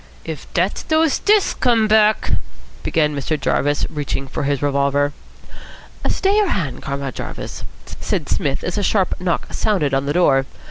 "If dat's dose stiffs come back " began Mr. Jarvis, reaching for his revolver. "Stay your hand, Comrade Jarvis," said as a sharp knock sounded on the door.